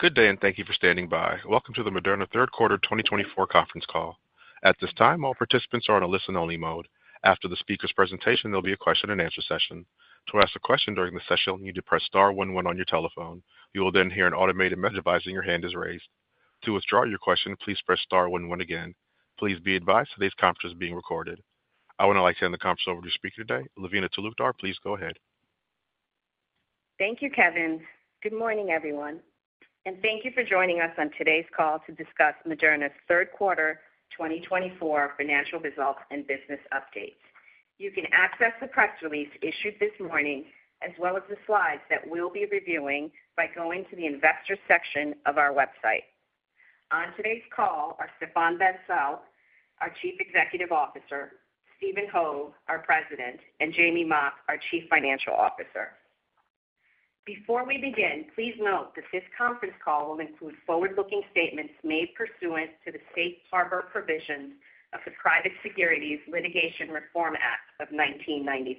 Good day, and thank you for standing by. Welcome to the Moderna third quarter 2024 conference call. At this time, all participants are on a listen-only mode. After the speaker's presentation, there'll be a question-and-answer session. To ask a question during the session, you need to press star 11 on your telephone. You will then hear an automated message advising your hand is raised. To withdraw your question, please press star 11 again. Please be advised today's conference is being recorded. I would now like to hand the conference over to our speaker today, Lavina Talukdar. Please go ahead. Thank you, Kevin. Good morning, everyone, and thank you for joining us on today's call to discuss Moderna's third quarter 2024 financial results and business updates. You can access the press release issued this morning, as well as the slides that we'll be reviewing by going to the investor section of our website. On today's call are Stéphane Bancel, our Chief Executive Officer, Stephen Hoge, our President, and Jamey Mock, our Chief Financial Officer. Before we begin, please note that this conference call will include forward-looking statements made pursuant to the safe harbor provisions of the Private Securities Litigation Reform Act of 1995.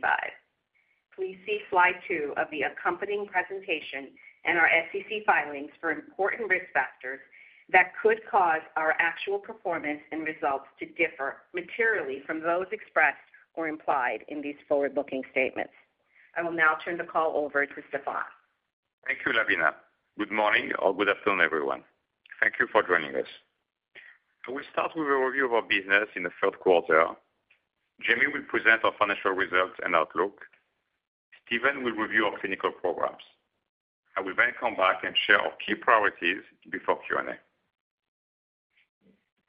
Please see slide two of the accompanying presentation and our SEC filings for important risk factors that could cause our actual performance and results to differ materially from those expressed or implied in these forward-looking statements. I will now turn the call over to Stéphane. Thank you, Lavina. Good morning or good afternoon, everyone. Thank you for joining us. I will start with a review of our business in the third quarter. Jamey will present our financial results and outlook. Stephen will review our clinical programs. I will then come back and share our key priorities before Q&A.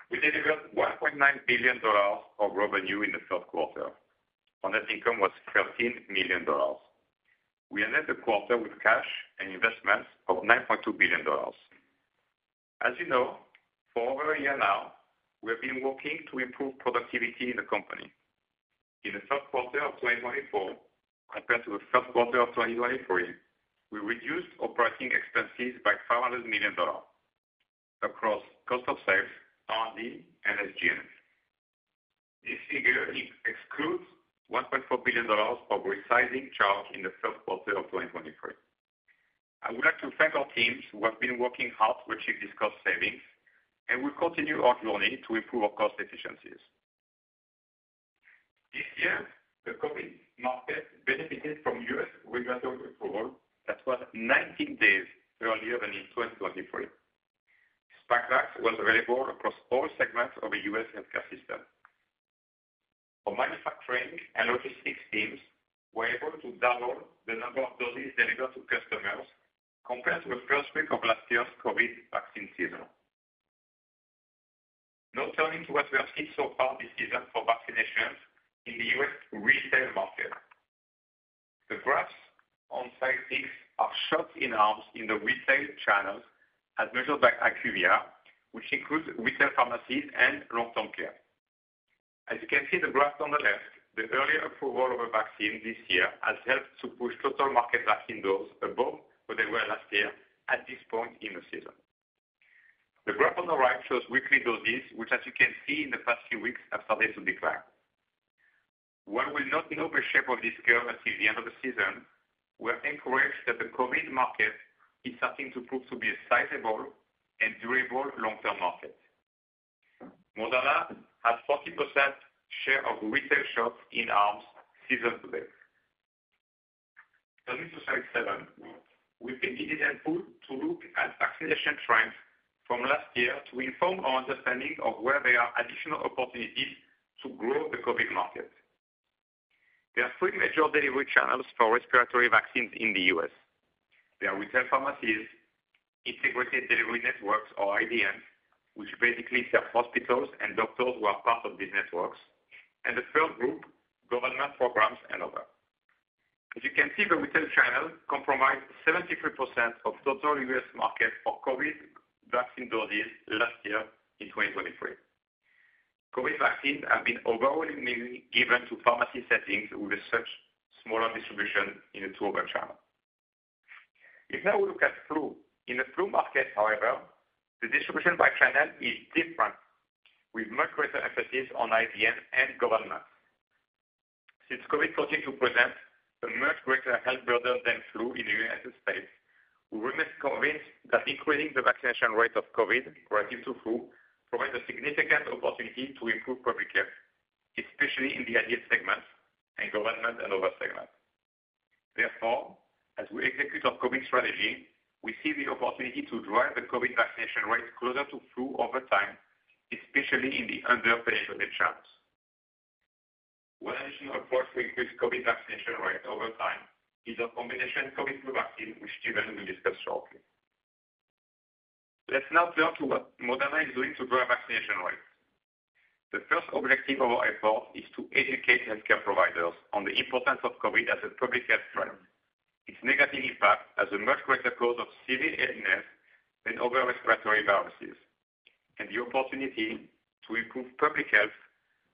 We delivered $1.9 billion of revenue in the third quarter. Our net income was $13 million. We ended the quarter with cash and investments of $9.2 billion. As you know, for over a year now, we have been working to improve productivity in the company. In the third quarter of 2024, compared to the first quarter of 2023, we reduced operating expenses by $500 million across cost of sales, R&D, and SG&A. This figure excludes $1.4 billion of resizing charge in the first quarter of 2023. I would like to thank our teams who have been working hard to achieve these cost savings and will continue our journey to improve our cost efficiencies. This year, the COVID market benefited from U.S. regulatory approval that was 19 days earlier than in 2023. Spikevax was available across all segments of the U.S. healthcare system. Our manufacturing and logistics teams were able to double the number of doses delivered to customers compared to the first week of last year's COVID vaccine season. Now, turning to what we have seen so far this season for vaccinations in the U.S. retail market, the graphs on slide six are shots in arms in the retail channels as measured by IQVIA, which includes retail pharmacies and long-term care. As you can see in the graph on the left, the earlier approval of a vaccine this year has helped to push total market vaccine doses above what they were last year at this point in the season. The graph on the right shows weekly doses, which, as you can see in the past few weeks, have started to decline. While we'll not know the shape of this curve until the end of the season, we're encouraged that the COVID market is starting to prove to be a sizable and durable long-term market. Moderna has a 40% share of retail shots-in-arms season to date. Turning to slide seven, we picked IQVIA input to look at vaccination trends from last year to inform our understanding of where there are additional opportunities to grow the COVID market. There are three major delivery channels for respiratory vaccines in the U.S.: there are retail pharmacies, integrated delivery networks, or IDNs, which basically serve hospitals and doctors who are part of these networks, and the third group, government programs and others. As you can see, the retail channel comprised 73% of total U.S. market for COVID vaccine doses last year in 2023. COVID vaccines have been overwhelmingly given to pharmacy settings with a much smaller distribution in the two other channels. If we now look at flu, in the flu market, however, the distribution by channel is different, with much greater emphasis on IDN and governments. Since COVID continued to present a much greater health burden than flu in the United States, we remain convinced that increasing the vaccination rate of COVID relative to flu provides a significant opportunity to improve public health, especially in the retail segment and government and other segments. Therefore, as we execute our COVID strategy, we see the opportunity to drive the COVID vaccination rate closer to flu over time, especially in the retail channels. One additional approach to increase COVID vaccination rate over time is a combination COVID flu vaccine, which Stephen will discuss shortly. Let's now turn to what Moderna is doing to drive vaccination rates. The first objective of our effort is to educate healthcare providers on the importance of COVID as a public health threat, its negative impact as a much greater cause of severe illness than other respiratory viruses, and the opportunity to improve public health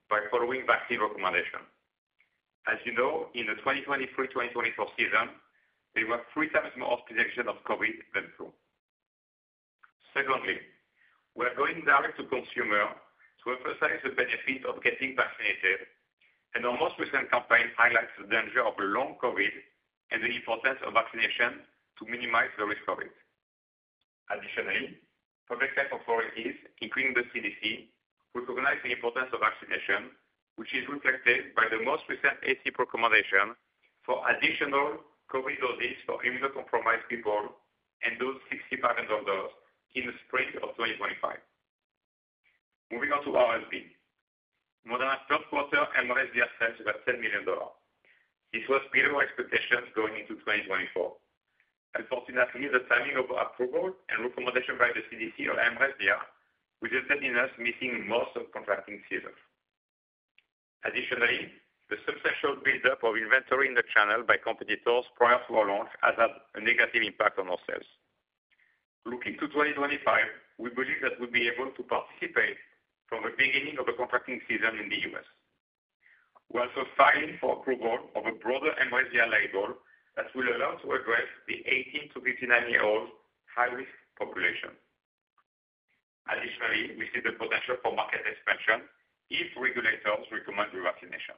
by following vaccine recommendations. As you know, in the 2023-2024 season, there were three times more hospitalizations of COVID than flu. Secondly, we're going direct to consumer to emphasize the benefit of getting vaccinated, and our most recent campaign highlights the danger of long COVID and the importance of vaccination to minimize the risk of it. Additionally, public health authorities, including the CDC, recognize the importance of vaccination, which is reflected by the most recent ACIP recommendation for additional COVID doses for immunocompromised people and those 65 and older in the spring of 2025. Moving on to R&D, Moderna's third quarter R&D assets were $10 million. This was below expectations going into 2024. Unfortunately, the timing of approval and recommendation by the CDC for mRESVIA resulted in us missing most of contracting seasons. Additionally, the substantial build-up of inventory in the channel by competitors prior to our launch has had a negative impact on our sales. Looking to 2025, we believe that we'll be able to participate from the beginning of the contracting season in the U.S.. We're also filing for approval of a broader mRESVIA label that will allow us to address the 18-59-year-old high-risk population. Additionally, we see the potential for market expansion if regulators recommend revaccination.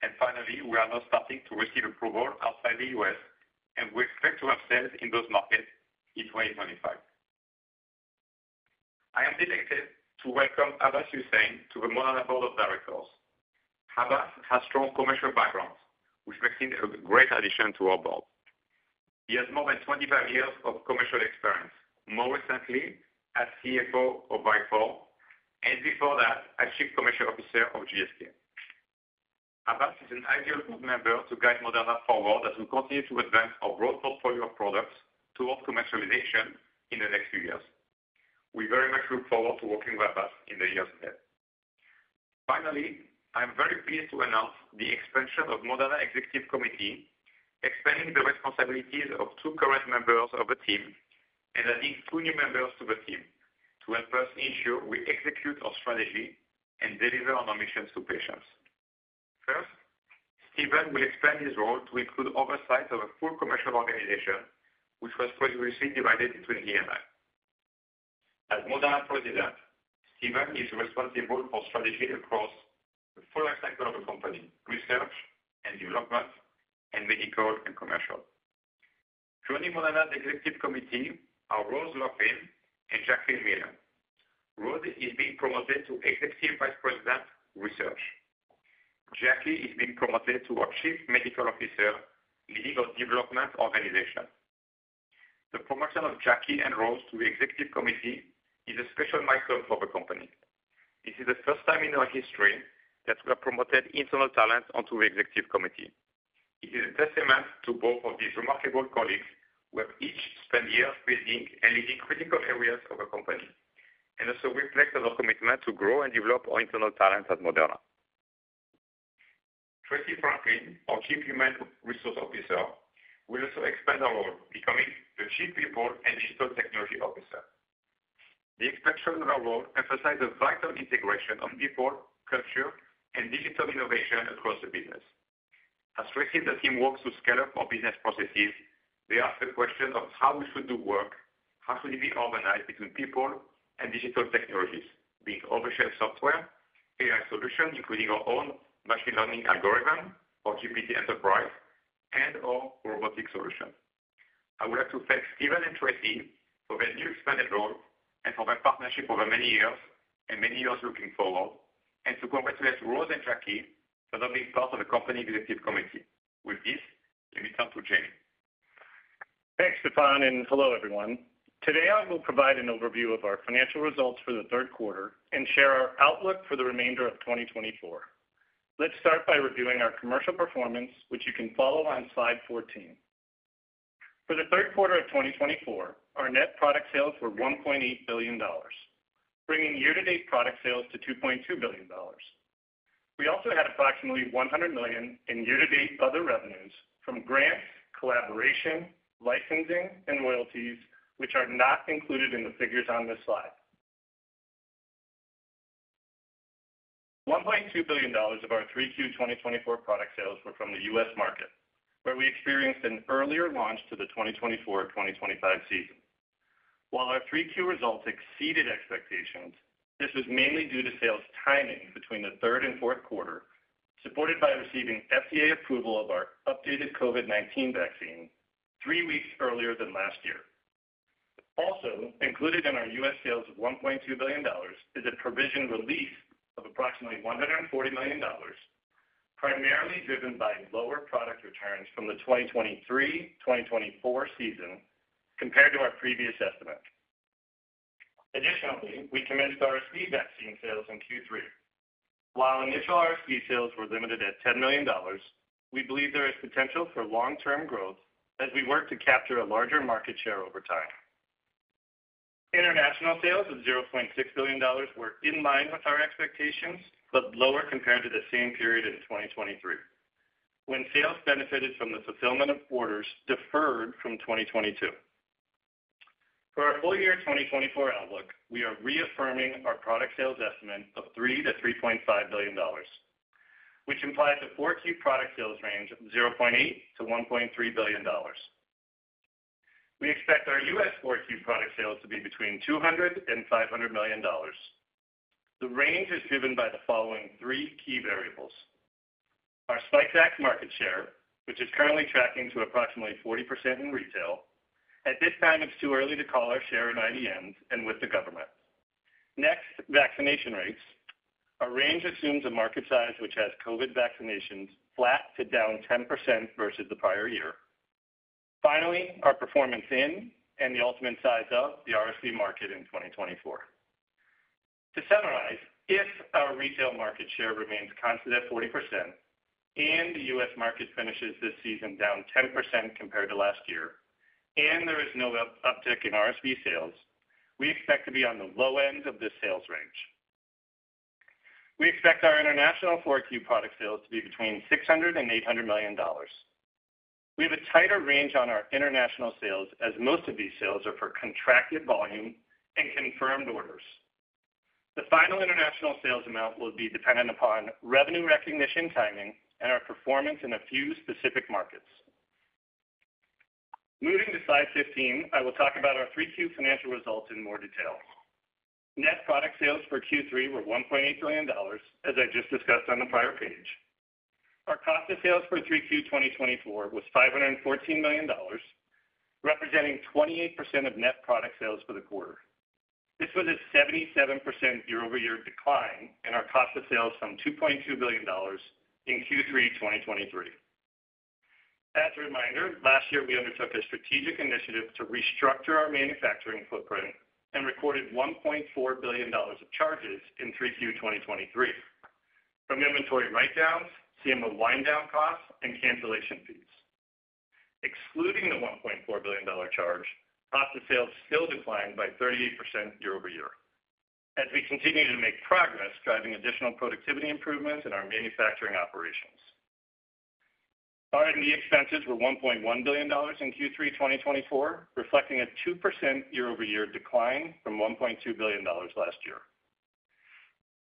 And finally, we are now starting to receive approval outside the U.S., and we expect to have sales in those markets in 2025. I am delighted to welcome Abbas Hussain to the Moderna board of directors. Abbas has strong commercial backgrounds, which makes him a great addition to our board. He has more than 25 years of commercial experience, more recently as CFO of Vifor Pharma, and before that, as Chief Commercial Officer of GSK. Abbas is an ideal board member to guide Moderna forward as we continue to advance our broad portfolio of products towards commercialization in the next few years. We very much look forward to working with Abbas in the years ahead. Finally, I'm very pleased to announce the expansion of the Moderna Executive Committee, expanding the responsibilities of two current members of the team and adding two new members to the team to help us ensure we execute our strategy and deliver on our missions to patients. First, Stephen will expand his role to include oversight of a full commercial organization, which was previously divided between he and I. As Moderna President, Stephen is responsible for strategy across the full life cycle of the company: research and development, and medical and commercial. Joining Moderna's Executive Committee are Rose Loughlin and Jacqueline Miller. Rose is being promoted to Executive Vice President, Research. Jacqueline is being promoted to our Chief Medical Officer, leading our development organization. The promotion of Jacqueline and Rose to the Executive Committee is a special milestone for the company. This is the first time in our history that we have promoted internal talent onto the Executive Committee. It is a testament to both of these remarkable colleagues who have each spent years building and leading critical areas of the company and also reflect on our commitment to grow and develop our internal talent at Moderna. Tracey Franklin, our Chief Human Resources Officer, will also expand her role, becoming the Chief People and Digital Technology Officer. The expansion of our role emphasizes vital integration of people, culture, and digital innovation across the business. As Tracey and the team work to scale up our business processes, they ask the question of how we should do work, how should it be organized between people and digital technologies, being overshared software, AI solutions, including our own machine learning algorithm, our GPT enterprise, and our robotic solution. I would like to thank Stephen and Tracey for their new expanded role and for their partnership over many years and many years looking forward, and to congratulate Rose and Jacqueline for now being part of the company Executive Committee. With this, let me turn to Jamey. Thanks, Stéphane, and hello, everyone. Today, I will provide an overview of our financial results for the third quarter and share our outlook for the remainder of 2024. Let's start by reviewing our commercial performance, which you can follow on slide 14. For the third quarter of 2024, our net product sales were $1.8 billion, bringing year-to-date product sales to $2.2 billion. We also had approximately $100 million in year-to-date other revenues from grants, collaboration, licensing, and royalties, which are not included in the figures on this slide. $1.2 billion of our 3Q 2024 product sales were from the U.S. market, where we experienced an earlier launch to the 2024-2025 season. While our 3Q results exceeded expectations, this was mainly due to sales timing between the third and fourth quarter, supported by receiving FDA approval of our updated COVID-19 vaccine three weeks earlier than last year. Also, included in our U.S. sales of $1.2 billion is a provision release of approximately $140 million, primarily driven by lower product returns from the 2023-2024 season compared to our previous estimate. Additionally, we commenced RSV vaccine sales in Q3. While initial RSV sales were limited at $10 million, we believe there is potential for long-term growth as we work to capture a larger market share over time. International sales of $0.6 billion were in line with our expectations, but lower compared to the same period in 2023, when sales benefited from the fulfillment of orders deferred from 2022. For our full year 2024 outlook, we are reaffirming our product sales estimate of $3-$3.5 billion, which implies a 4Q product sales range of $0.8-$1.3 billion. We expect our U.S. 4Q product sales to be between $200 and $500 million. The range is driven by the following three key variables: our Spikevax market share, which is currently tracking to approximately 40% in retail. At this time, it's too early to call our share in IDNs and with the government. Next, vaccination rates. Our range assumes a market size which has COVID vaccinations flat to down 10% versus the prior year. Finally, our performance in and the ultimate size of the RSV market in 2024. To summarize, if our retail market share remains constant at 40% and the U.S. market finishes this season down 10% compared to last year and there is no uptick in RSV sales, we expect to be on the low end of this sales range. We expect our international 4Q product sales to be between $600-$800 million. We have a tighter range on our international sales as most of these sales are for contracted volume and confirmed orders. The final international sales amount will be dependent upon revenue recognition timing and our performance in a few specific markets. Moving to slide 15, I will talk about our 3Q financial results in more detail. Net product sales for Q3 were $1.8 billion, as I just discussed on the prior page. Our cost of sales for 3Q 2024 was $514 million, representing 28% of net product sales for the quarter. This was a 77% year-over-year decline in our cost of sales from $2.2 billion in Q3 2023. As a reminder, last year, we undertook a strategic initiative to restructure our manufacturing footprint and recorded $1.4 billion of charges in 3Q 2023 from inventory write-downs, CMO wind-down costs, and cancellation fees. Excluding the $1.4 billion charge, cost of sales still declined by 38% year-over-year as we continue to make progress, driving additional productivity improvements in our manufacturing operations. R&D expenses were $1.1 billion in Q3 2024, reflecting a 2% year-over-year decline from $1.2 billion last year.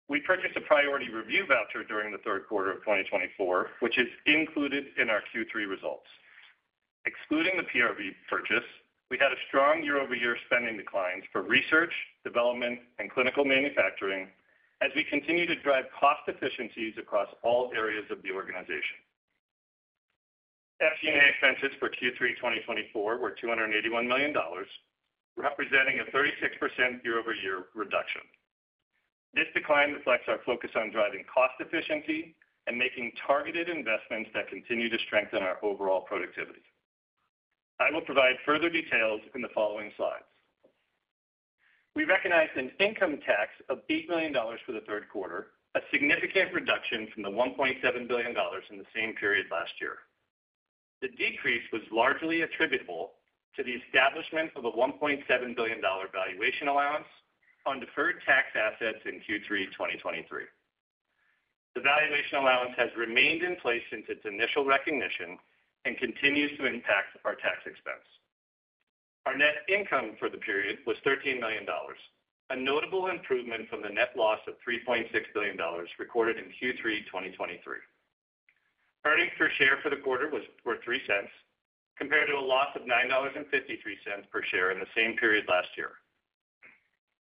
We purchased a priority review voucher during the third quarter of 2024, which is included in our Q3 results. Excluding the PRV purchase, we had a strong year-over-year spending decline for research, development, and clinical manufacturing as we continue to drive cost efficiencies across all areas of the organization. G&A expenses for Q3 2024 were $281 million, representing a 36% year-over-year reduction. This decline reflects our focus on driving cost efficiency and making targeted investments that continue to strengthen our overall productivity. I will provide further details in the following slides. We recognized an income tax of $8 million for the third quarter, a significant reduction from the $1.7 billion in the same period last year. The decrease was largely attributable to the establishment of a $1.7 billion valuation allowance on deferred tax assets in Q3 2023. The valuation allowance has remained in place since its initial recognition and continues to impact our tax expense. Our net income for the period was $13 million, a notable improvement from the net loss of $3.6 billion recorded in Q3 2023. Earnings per share for the quarter were $0.03 compared to a loss of $9.53 per share in the same period last year.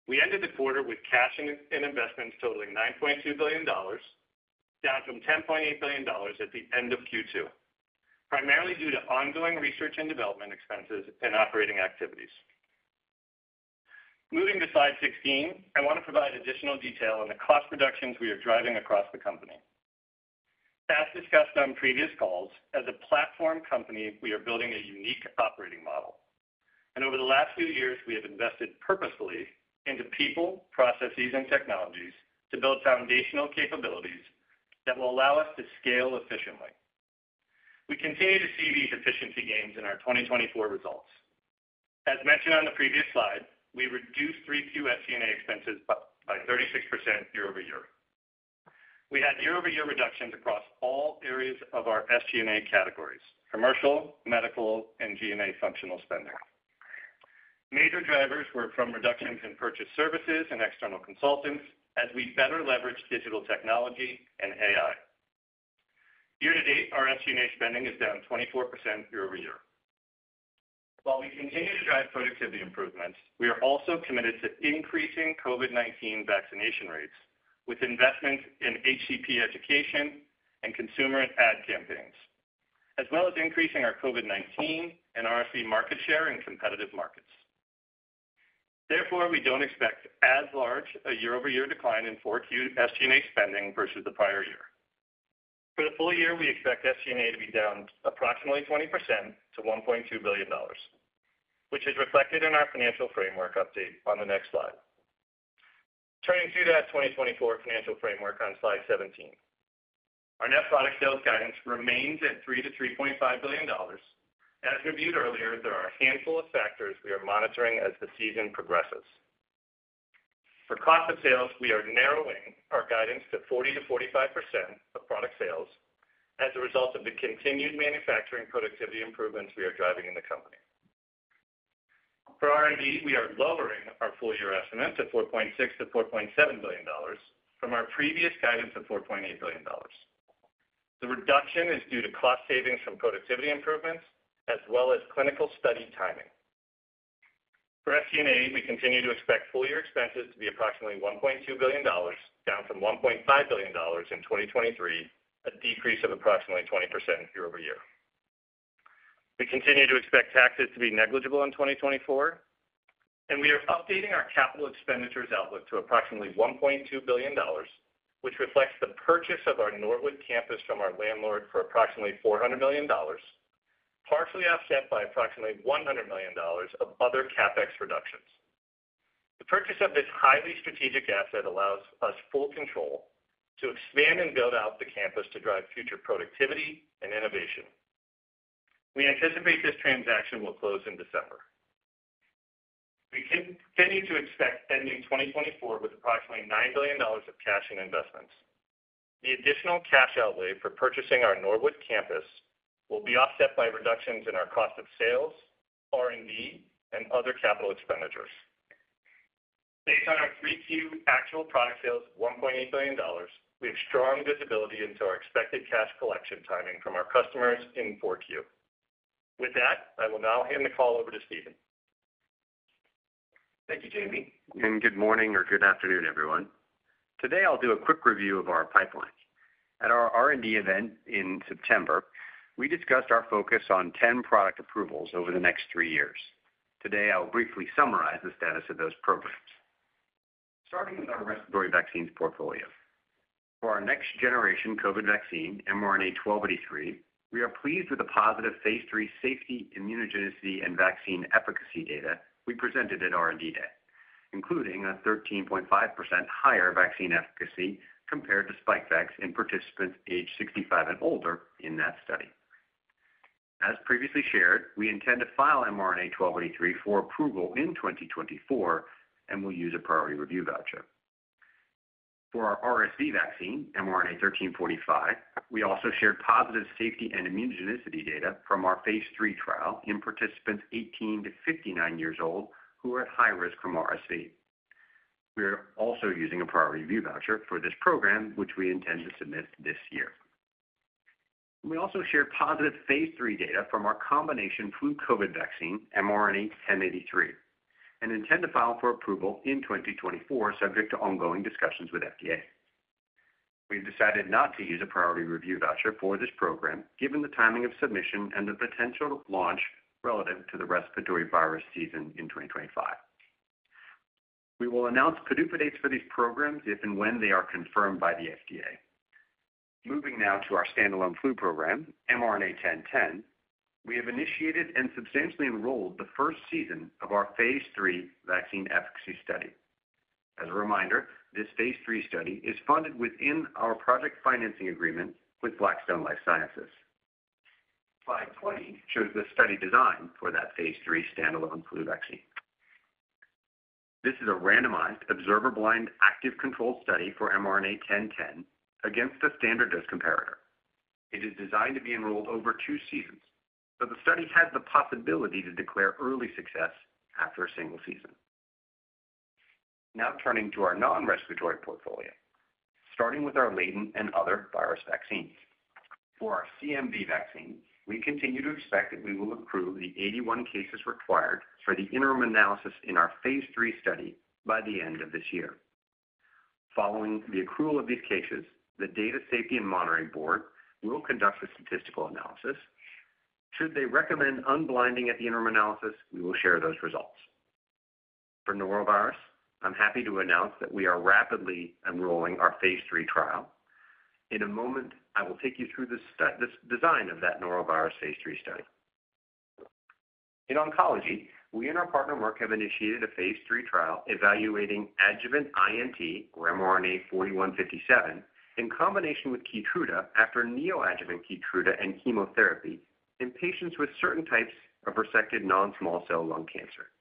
We ended the quarter with cash and investments totaling $9.2 billion, down from $10.8 billion at the end of Q2, primarily due to ongoing research and development expenses and operating activities. Moving to slide 16, I want to provide additional detail on the cost reductions we are driving across the company. As discussed on previous calls, as a platform company, we are building a unique operating model, and over the last few years, we have invested purposefully into people, processes, and technologies to build foundational capabilities that will allow us to scale efficiently. We continue to see these efficiency gains in our 2024 results. As mentioned on the previous slide, we reduced 3Q SG&A expenses by 36% year-over-year. We had year-over-year reductions across all areas of our SG&A categories: commercial, medical, and G&A functional spending. Major drivers were from reductions in purchase services and external consultants as we better leveraged digital technology and AI. Year-to-date, our SG&A spending is down 24% year-over-year. While we continue to drive productivity improvements, we are also committed to increasing COVID-19 vaccination rates with investments in HCP education and consumer ad campaigns, as well as increasing our COVID-19 and RSV market share in competitive markets. Therefore, we don't expect as large a year-over-year decline in 4Q SG&A spending versus the prior year. For the full year, we expect SG&A to be down approximately 20% to $1.2 billion, which is reflected in our financial framework update on the next slide. Turning to that 2024 financial framework on slide 17, our net product sales guidance remains at $3-$3.5 billion. As reviewed earlier, there are a handful of factors we are monitoring as the season progresses. For cost of sales, we are narrowing our guidance to 40%-45% of product sales as a result of the continued manufacturing productivity improvements we are driving in the company. For R&D, we are lowering our full-year estimate to $4.6-$4.7 billion from our previous guidance of $4.8 billion. The reduction is due to cost savings from productivity improvements as well as clinical study timing. For SG&A, we continue to expect full-year expenses to be approximately $1.2 billion, down from $1.5 billion in 2023, a decrease of approximately 20% year-over-year. We continue to expect taxes to be negligible in 2024, and we are updating our capital expenditures outlook to approximately $1.2 billion, which reflects the purchase of our Norwood campus from our landlord for approximately $400 million, partially offset by approximately $100 million of other CapEx reductions. The purchase of this highly strategic asset allows us full control to expand and build out the campus to drive future productivity and innovation. We anticipate this transaction will close in December. We continue to expect ending 2024 with approximately $9 billion of cash and investments. The additional cash outlay for purchasing our Norwood campus will be offset by reductions in our cost of sales, R&D, and other capital expenditures. Based on our 3Q actual product sales of $1.8 billion, we have strong visibility into our expected cash collection timing from our customers in 4Q. With that, I will now hand the call over to Stephen. Thank you, Jamey. Good morning or good afternoon, everyone. Today, I'll do a quick review of our pipeline. At our R&D event in September, we discussed our focus on 10 product approvals over the next three years. Today, I'll briefly summarize the status of those programs. Starting with our respiratory vaccines portfolio. For our next generation COVID vaccine, mRNA-1283, we are pleased with the positive phase III safety, immunogenicity, and vaccine efficacy data we presented at R&D Day, including a 13.5% higher vaccine efficacy compared to Spikevax in participants age 65 and older in that study. As previously shared, we intend to file mRNA-1283 for approval in 2024 and will use a priority review voucher. For our RSV vaccine, mRNA-1345, we also shared positive safety and immunogenicity data from our phase III trial in participants 18 to 59 years old who are at high risk from RSV. We are also using a priority review voucher for this program, which we intend to submit this year. We also shared positive phase III data from our combination flu COVID vaccine, mRNA-1083, and intend to file for approval in 2024, subject to ongoing discussions with FDA. We have decided not to use a priority review voucher for this program given the timing of submission and the potential launch relative to the respiratory virus season in 2025. We will announce PDUFA dates for these programs if and when they are confirmed by the FDA. Moving now to our standalone flu program, mRNA-1010, we have initiated and substantially enrolled the first season of our phase III vaccine efficacy study. As a reminder, this phase III study is funded within our project financing agreement with Blackstone Life Sciences. Slide 20 shows the study design for that phase III standalone flu vaccine. This is a randomized observer-blind active control study for mRNA-1010 against the standard dose comparator. It is designed to be enrolled over two seasons, but the study has the possibility to declare early success after a single season. Now turning to our non-respiratory portfolio, starting with our latent and other virus vaccines. For our CMV vaccine, we continue to expect that we will accrue the 81 cases required for the interim analysis in our phase III study by the end of this year. Following the accrual of these cases, the Data and Safety Monitoring Board will conduct a statistical analysis. Should they recommend unblinding at the interim analysis, we will share those results. For norovirus, I'm happy to announce that we are rapidly enrolling our phase III trial. In a moment, I will take you through the design of that norovirus phase III study. In oncology, we and our partner Merck have initiated a phase III trial evaluating adjuvant INT or mRNA-4157 in combination with Keytruda after neoadjuvant Keytruda and chemotherapy in patients with certain types of resected non-small cell lung cancer.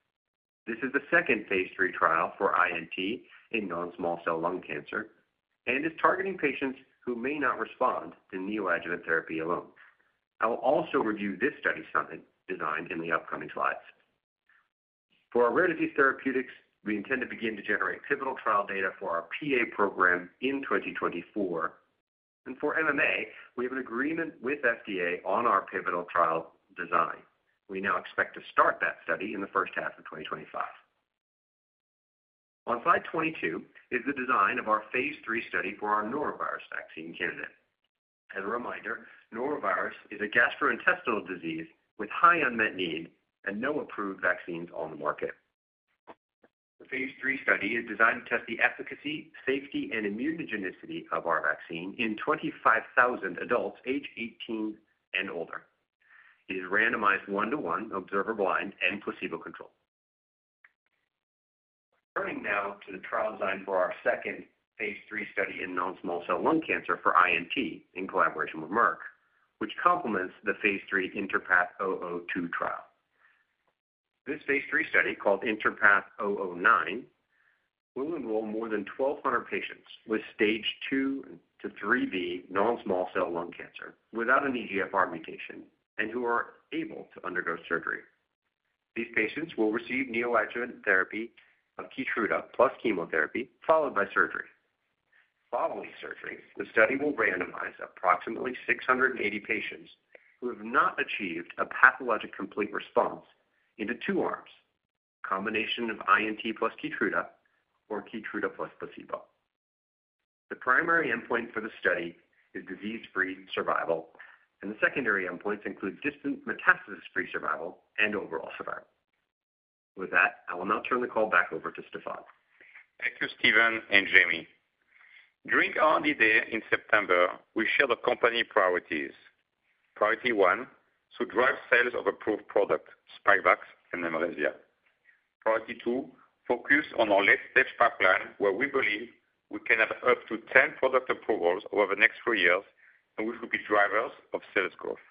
This is the second phase III trial for INT in non-small cell lung cancer and is targeting patients who may not respond to neoadjuvant therapy alone. I will also review this study design in the upcoming slides. For our rare disease therapeutics, we intend to begin to generate pivotal trial data for our PA program in 2024. And for MMA, we have an agreement with FDA on our pivotal trial design. We now expect to start that study in the first half of 2025. On slide 22 is the design of our phase III study for our norovirus vaccine candidate. As a reminder, norovirus is a gastrointestinal disease with high unmet need and no approved vaccines on the market. The phase III study is designed to test the efficacy, safety, and immunogenicity of our vaccine in 25,000 adults age 18 and older. It is randomized one-to-one, observer-blind, and placebo-controlled. Turning now to the trial design for our second phase III study in non-small cell lung cancer for INT in collaboration with Merck, which complements the phase III INTerpath-002 trial. This phase III study, called INTerpath-009, will enroll more than 1,200 patients with stage 2 to 3B non-small cell lung cancer without an EGFR mutation and who are able to undergo surgery. These patients will receive neoadjuvant therapy of Keytruda plus chemotherapy followed by surgery. Following surgery, the study will randomize approximately 680 patients who have not achieved a pathologic complete response into two arms, a combination of INT plus Keytruda or Keytruda plus placebo. The primary endpoint for the study is disease-free survival, and the secondary endpoints include distant metastasis-free survival and overall survival. With that, I will now turn the call back over to Stéphane. Thank you, Stephen and Jamey. During R&D day in September, we shared our company priorities. Priority one, to drive sales of approved products, Spikevax and mRESVIA. Priority two, focus on our late-stage pipeline where we believe we can have up to 10 product approvals over the next four years and which will be drivers of sales growth.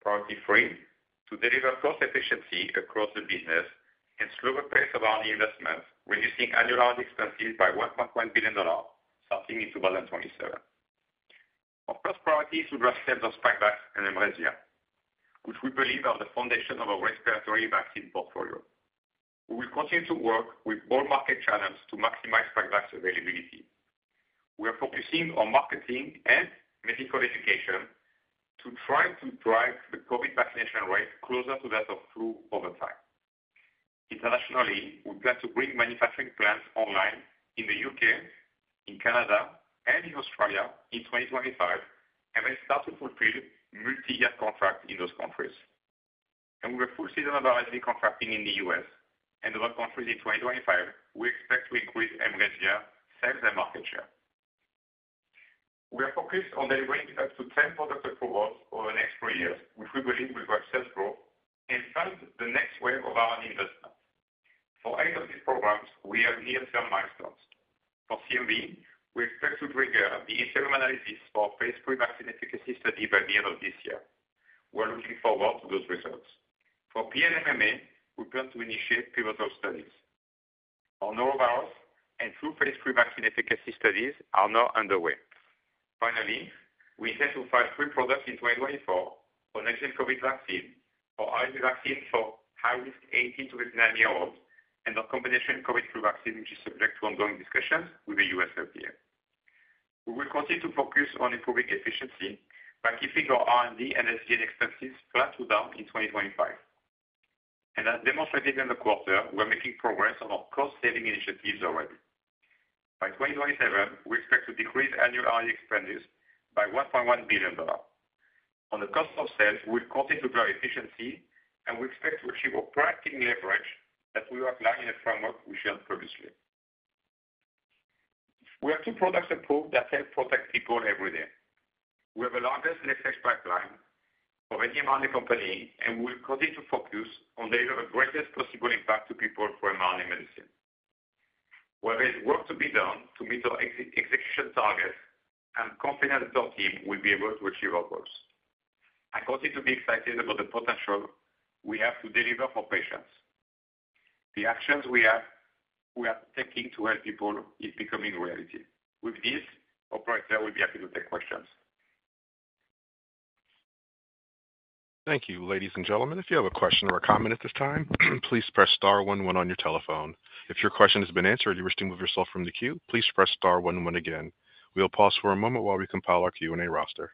Priority three, to deliver cost efficiency across the business and slow the pace of our investments, reducing annual expenses by $1.1 billion, starting in 2027. Our first priority is to drive sales of Spikevax and mRESVIA, which we believe are the foundation of our respiratory vaccine portfolio. We will continue to work with all market channels to maximize Spikevax availability. We are focusing on marketing and medical education to try to drive the COVID vaccination rate closer to that of flu over time. Internationally, we plan to bring manufacturing plants online in the U.K., in Canada, and in Australia in 2025, and then start to fulfill multi-year contracts in those countries, and with a full season of RSV contracting in the U.S. and other countries in 2025, we expect to increase mRESVIA sales and market share. We are focused on delivering up to 10 product approvals over the next four years, which we believe will drive sales growth and fund the next wave of R&D investment. For eight of these programs, we have near-term milestones. For CMV, we expect to trigger the interim analysis for our phase III vaccine efficacy study by the end of this year. We are looking forward to those results. For PA and MMA, we plan to initiate pivotal studies. Our norovirus and flu phase III vaccine efficacy studies are now underway. Finally, we intend to file three products in 2024: a next-gen COVID vaccine, our RSV vaccine for high-risk 18- to 59-year-olds, and our combination COVID flu vaccine, which is subject to ongoing discussions with the U.S. FDA. We will continue to focus on improving efficiency by keeping our R&D and SG&A expenses flat to down in 2025, and as demonstrated in the quarter, we are making progress on our cost-saving initiatives already. By 2027, we expect to decrease annual R&D expenditures by $1.1 billion. On the cost of sales, we will continue to drive efficiency, and we expect to achieve a positive leverage that we outline in the framework we shared previously. We have two products approved that help protect people every day. We have the largest late-stage pipeline of any mRNA company, and we will continue to focus on delivering the greatest possible impact to people for mRNA medicine. Where there is work to be done to meet our execution targets, I'm confident that our team will be able to achieve our goals. I continue to be excited about the potential we have to deliver for patients. The actions we are taking to help people is becoming reality. With this, Operator will be happy to take questions. Thank you. Ladies and gentlemen, if you have a question or a comment at this time, please press star one one on your telephone. If your question has been answered and you wish to move yourself from the queue, please press star one one again. We'll pause for a moment while we compile our Q&A roster.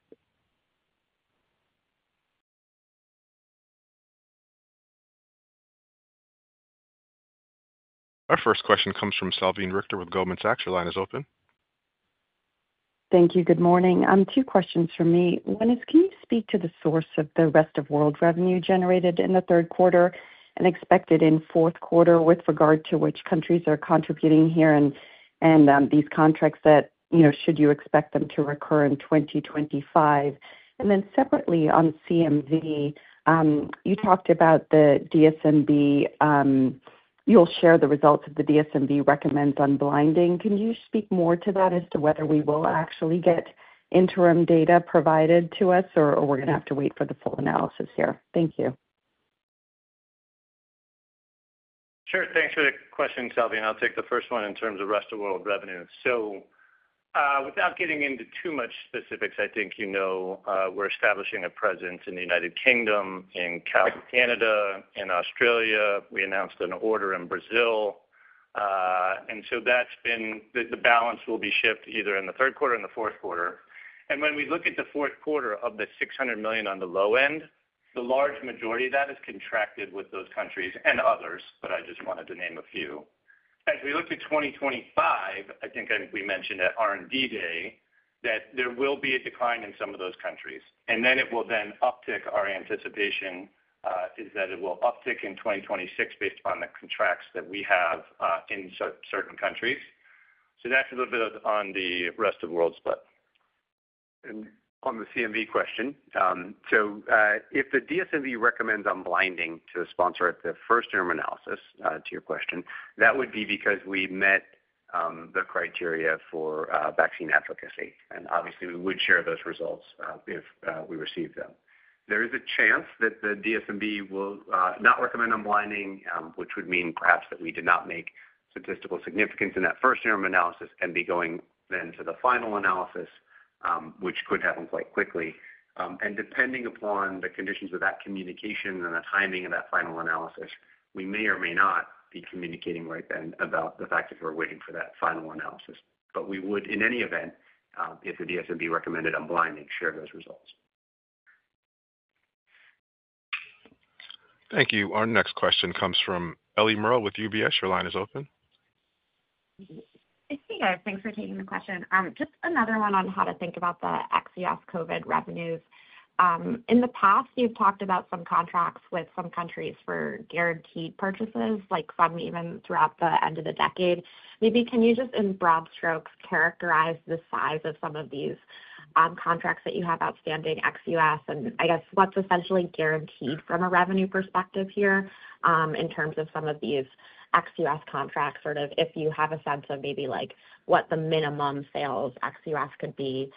Our first question comes from Salveen Richter with Goldman Sachs. Your line is open. Thank you. Good morning. Two questions for me. One is, can you speak to the source of the rest of world revenue generated in the third quarter and expected in fourth quarter with regard to which countries are contributing here and these contracts that should you expect them to recur in 2025? And then separately on CMV, you talked about the DSMB. You'll share the results of the DSMB recommends unblinding. Can you speak more to that as to whether we will actually get interim data provided to us or we're going to have to wait for the full analysis here? Thank you. Sure. Thanks for the question, Salveen. I'll take the first one in terms of rest of world revenue. So without getting into too much specifics, I think you know we're establishing a presence in the United Kingdom, in Canada, in Australia. We announced an order in Brazil. And so that's been the balance will be shipped either in the third quarter or in the fourth quarter. And when we look at the fourth quarter of the $600 million on the low end, the large majority of that is contracted with those countries and others, but I just wanted to name a few. As we look to 2025, I think we mentioned at R&D day that there will be a decline in some of those countries. And then it will then uptick. Our anticipation is that it will uptick in 2026 based upon the contracts that we have in certain countries. That's a little bit on the rest of world split. On the CMV question, if the DSMB recommends unblinding to sponsor the first interim analysis to your question, that would be because we met the criteria for vaccine efficacy. Obviously, we would share those results if we received them. There is a chance that the DSMB will not recommend unblinding, which would mean perhaps that we did not make statistical significance in that first interim analysis and be going then to the final analysis, which could happen quite quickly. Depending upon the conditions of that communication and the timing of that final analysis, we may or may not be communicating right then about the fact that we're waiting for that final analysis. But we would, in any event, if the DSMB recommended unblinding, share those results. Thank you. Our next question comes from Ellie Merle with UBS. Your line is open. Hey, there. Thanks for taking the question. Just another one on how to think about the ex-U.S. COVID revenues. In the past, you've talked about some contracts with some countries for guaranteed purchases, like some even throughout the end of the decade. Maybe can you just in broad strokes characterize the size of some of these contracts that you have outstanding ex-U.S. and I guess what's essentially guaranteed from a revenue perspective here in terms of some of these ex-U.S. contracts, sort of if you have a sense of maybe like what the minimum sales ex-US could be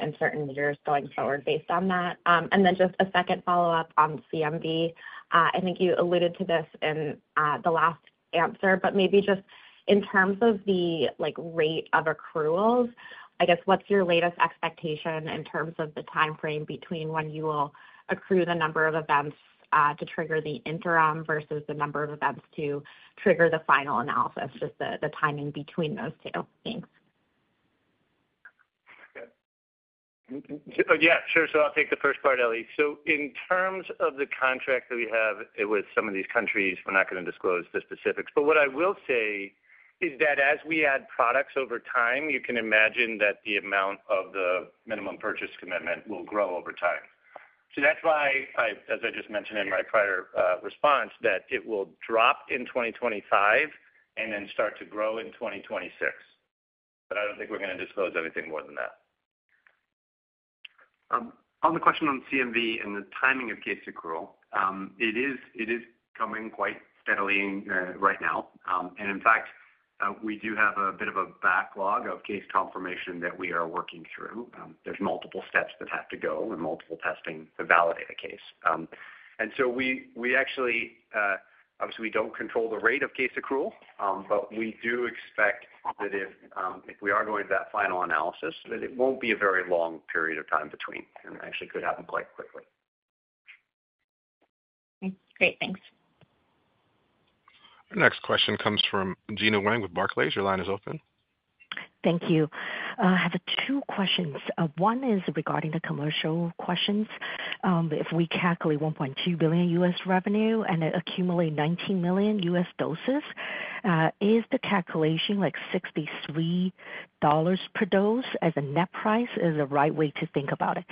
in certain years going forward based on that? And then just a second follow-up on CMV. I think you alluded to this in the last answer, but maybe just in terms of the rate of accruals, I guess what's your latest expectation in terms of the timeframe between when you will accrue the number of events to trigger the interim versus the number of events to trigger the final analysis, just the timing between those two? Thanks. Yeah, sure. So I'll take the first part, Ellie. So in terms of the contract that we have with some of these countries, we're not going to disclose the specifics. But what I will say is that as we add products over time, you can imagine that the amount of the minimum purchase commitment will grow over time. So that's why, as I just mentioned in my prior response, that it will drop in 2025 and then start to grow in 2026. But I don't think we're going to disclose anything more than that. On the question on CMV and the timing of case accrual, it is coming quite steadily right now. And in fact, we do have a bit of a backlog of case confirmation that we are working through. There's multiple steps that have to go and multiple testing to validate a case. We actually, obviously, we don't control the rate of case accrual, but we do expect that if we are going to that final analysis, that it won't be a very long period of time between and actually could happen quite quickly. Great. Thanks. Our next question comes from Gena Wang with Barclays. Your line is open. Thank you. I have two questions. One is regarding the commercial questions. If we calculate $1.2 billion U.S. revenue and accumulate 19 million U.S. doses, is the calculation like $63 per dose as a net price? Is it the right way to think about it?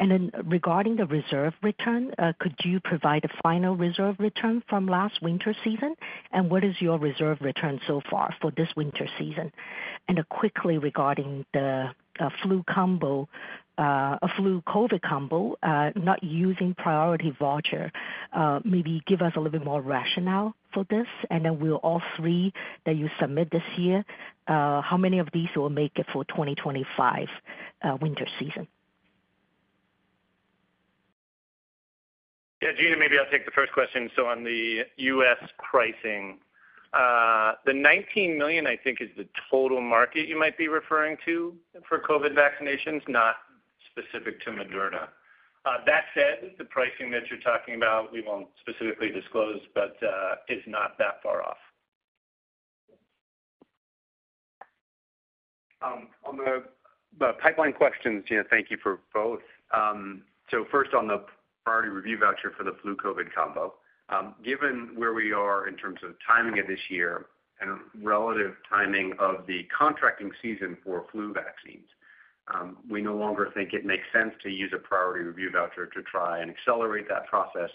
And then regarding the reserve return, could you provide a final reserve return from last winter season? And what is your reserve return so far for this winter season? And quickly regarding the flu COVID combo, not using priority voucher, maybe give us a little bit more rationale for this. And then we'll all three that you submit this year, how many of these will make it for 2025 winter season? Yeah, Gena, maybe I'll take the first question. So on the U.S. pricing, the 19 million, I think, is the total market you might be referring to for COVID vaccinations, not specific to Moderna. That said, the pricing that you're talking about, we won't specifically disclose, but it's not that far off. On the pipeline questions, Gena, thank you for both. So first, on the priority review voucher for the flu COVID combo, given where we are in terms of timing of this year and relative timing of the contracting season for flu vaccines, we no longer think it makes sense to use a priority review voucher to try and accelerate that process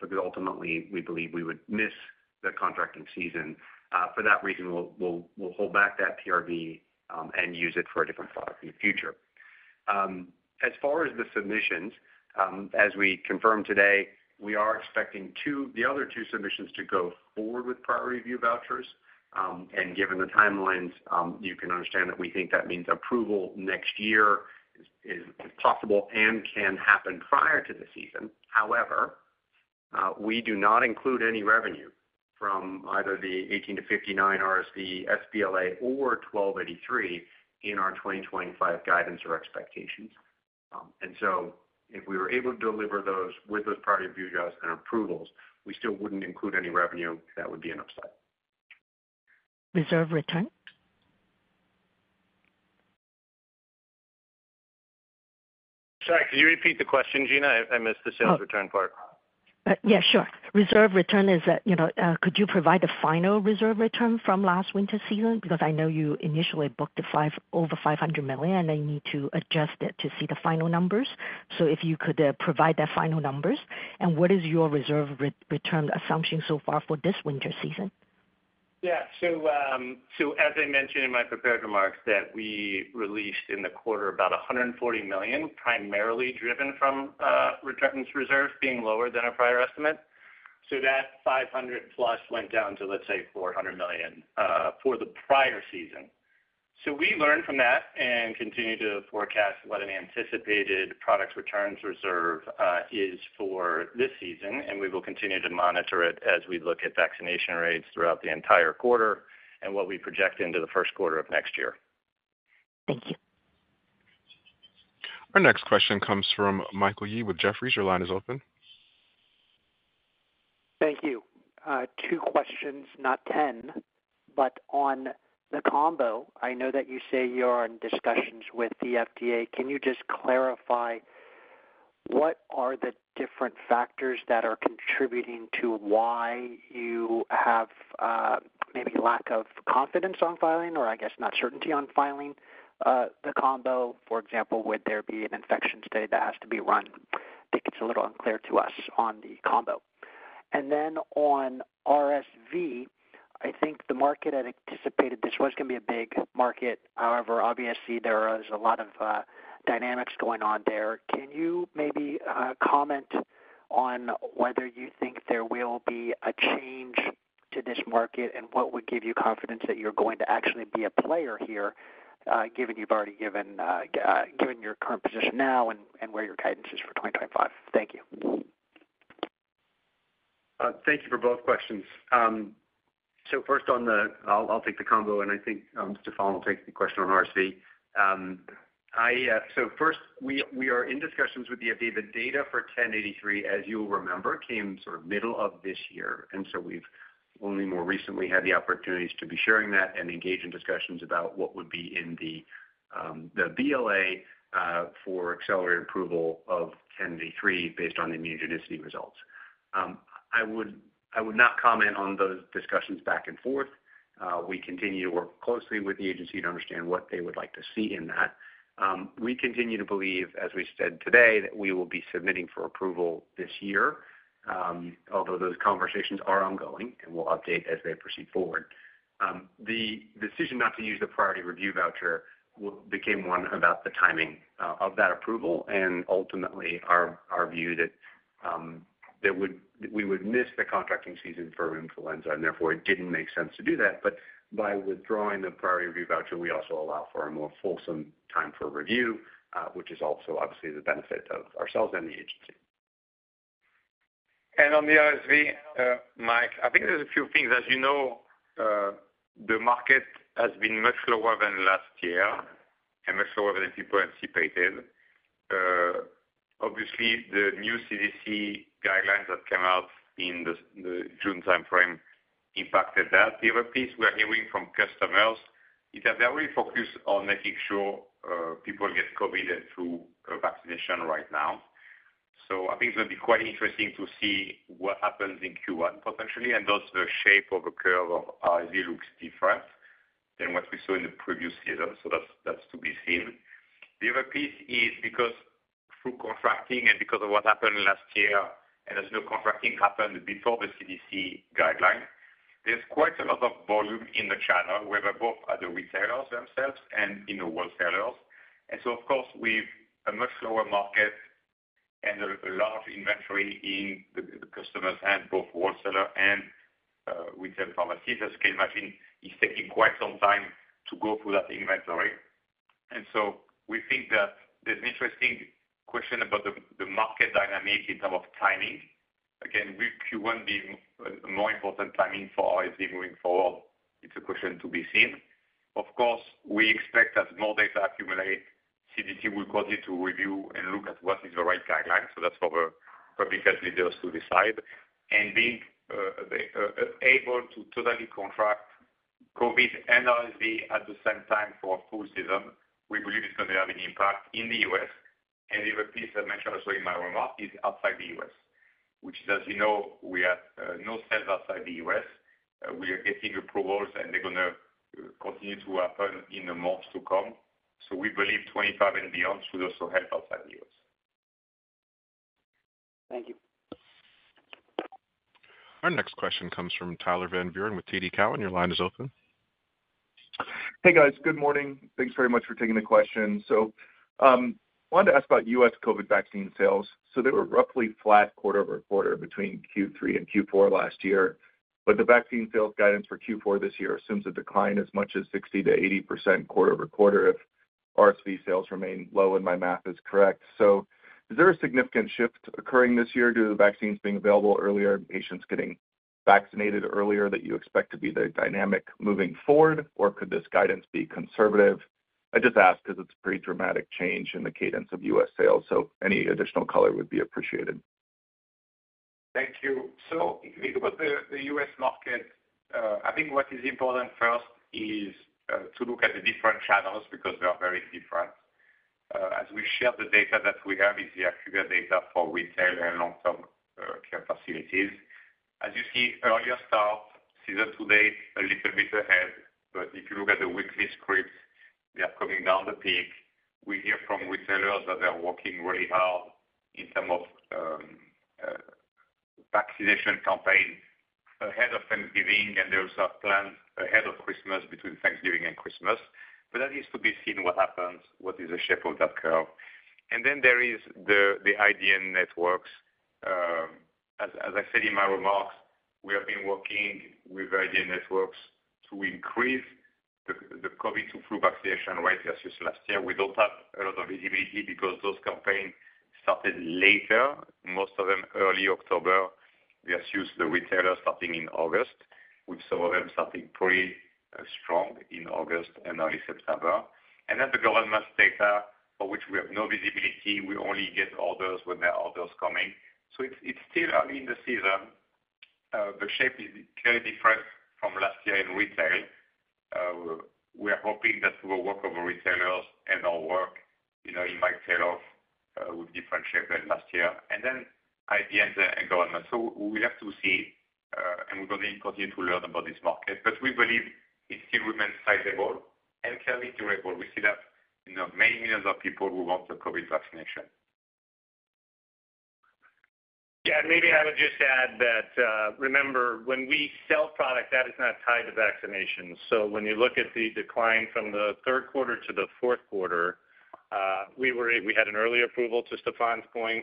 because ultimately, we believe we would miss the contracting season. For that reason, we'll hold back that PRV and use it for a different product in the future. As far as the submissions, as we confirmed today, we are expecting the other two submissions to go forward with priority review vouchers, and given the timelines, you can understand that we think that means approval next year is possible and can happen prior to the season. However, we do not include any revenue from either the 18-59 RSV, sBLA, or 1283 in our 2025 guidance or expectations, and so if we were able to deliver those with those priority review vouchers and approvals, we still wouldn't include any revenue. That would be an upside. Reserve return? Sorry, could you repeat the question, Gena? I missed the sales return part. Yeah, sure. Reserve reversal? Could you provide a final reserve reversal from last winter season? Because I know you initially booked over $500 million, and they need to adjust it to see the final numbers. So if you could provide that final numbers. And what is your reserve reversal assumption so far for this winter season? Yeah. So as I mentioned in my prepared remarks, that we released in the quarter about $140 million, primarily driven from returns reserves being lower than our prior estimate. So that $500 million+ went down to, let's say, $400 million for the prior season. So we learned from that and continue to forecast what an anticipated product returns reserve is for this season. And we will continue to monitor it as we look at vaccination rates throughout the entire quarter and what we project into the first quarter of next year. Thank you. Our next question comes from Mike Yee with Jefferies. Your line is open. Thank you. Two questions, not 10, but on the combo, I know that you say you're in discussions with the FDA. Can you just clarify what are the different factors that are contributing to why you have maybe lack of confidence on filing or, I guess, not certainty on filing the combo? For example, would there be an infection study that has to be run? I think it's a little unclear to us on the combo. And then on RSV, I think the market had anticipated this was going to be a big market. However, obviously, there is a lot of dynamics going on there. Can you maybe comment on whether you think there will be a change to this market and what would give you confidence that you're going to actually be a player here, given you've already given your current position now and where your guidance is for 2025? Thank you. Thank you for both questions. So first, I'll take the combo, and I think Stéphane will take the question on RSV. So first, we are in discussions with the FDA. The data for 1083, as you'll remember, came sort of middle of this year. And so we've only more recently had the opportunities to be sharing that and engage in discussions about what would be in the BLA for accelerated approval of 1083 based on the immunogenicity results. I would not comment on those discussions back and forth. We continue to work closely with the agency to understand what they would like to see in that. We continue to believe, as we said today, that we will be submitting for approval this year, although those conversations are ongoing and we'll update as they proceed forward. The decision not to use the priority review voucher became one about the timing of that approval and ultimately our view that we would miss the contracting season for influenza, and therefore it didn't make sense to do that, but by withdrawing the priority review voucher, we also allow for a more fulsome time for review, which is also obviously the benefit of ourselves and the agency, and on the RSV, Mike, I think there's a few things. As you know, the market has been much lower than last year and much lower than people anticipated. Obviously, the new CDC guidelines that came out in the June timeframe impacted that. The other piece we're hearing from customers is that they're really focused on making sure people get COVID and flu vaccination right now, so I think it's going to be quite interesting to see what happens in Q1 potentially. And the shape of the curve of RSV looks different than what we saw in the previous season. So that's to be seen. The other piece is because through contracting and because of what happened last year, and as no contracting happened before the CDC guideline, there's quite a lot of volume in the channel, with both at the retailers themselves and in the wholesalers. And so, of course, with a much slower market and a large inventory in the customers' hands, both wholesaler and retail pharmacies, as you can imagine, it's taking quite some time to go through that inventory. And so we think that there's an interesting question about the market dynamic in terms of timing. Again, will Q1 be a more important timing for RSV moving forward? It's a question to be seen. Of course, we expect as more data accumulate, CDC will continue to review and look at what is the right guideline, so that's for the public health leaders to decide, and being able to totally contract COVID and RSV at the same time for a full season, we believe it's going to have an impact in the U.S., and the other piece I mentioned also in my remark is outside the U.S., which is, as you know, we have no sales outside the U.S. We are getting approvals, and they're going to continue to happen in the months to come, so we believe 25 and beyond should also help outside the U.S. Thank you. Our next question comes from Tyler Van Buren with TD Cowen. Your line is open. Hey, guys. Good morning. Thanks very much for taking the question. So I wanted to ask about U.S. COVID vaccine sales. So they were roughly flat quarter over quarter between Q3 and Q4 last year. But the vaccine sales guidance for Q4 this year assumes a decline as much as 60%-80% quarter-over-quarter if RSV sales remain low and my math is correct. So is there a significant shift occurring this year due to the vaccines being available earlier and patients getting vaccinated earlier that you expect to be the dynamic moving forward, or could this guidance be conservative? I just ask because it's a pretty dramatic change in the cadence of U.S. sales. So any additional color would be appreciated. Thank you, so if you think about the U.S. market, I think what is important first is to look at the different channels because they are very different. As we share the data that we have, it's the accurate data for retail and long-term care facilities. As you see, earlier start season today, a little bit ahead, but if you look at the weekly script, they are coming down the pink. We hear from retailers that they're working really hard in terms of vaccination campaign ahead of Thanksgiving, and there are plans ahead of Christmas between Thanksgiving and Christmas, but that needs to be seen what happens, what is the shape of that curve, and then there is the IDN networks. As I said in my remarks, we have been working with IDN networks to increase the COVID to flu vaccination rate versus last year. We don't have a lot of visibility because those campaigns started later, most of them early October. We assume the retailers starting in August, with some of them starting pretty strong in August and early September, and then the government's data for which we have no visibility. We only get orders when there are orders coming, so it's still early in the season. The shape is very different from last year in retail. We are hoping that we will work with retailers and our work in retailers with different shape than last year, and then IDN and government, so we have to see, and we're going to continue to learn about this market, but we believe it still remains sizable and can be durable. We see that many millions of people who want the COVID vaccination. Yeah. Maybe I would just add that remember, when we sell product, that is not tied to vaccination. So when you look at the decline from the third quarter to the fourth quarter, we had an early approval to Stéphane's point.